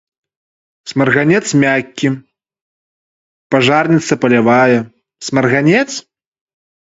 Смарганец мяккі, пажарніца палявая, смарганец.